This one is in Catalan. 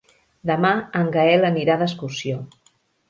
Demà en Gaël anirà d'excursió.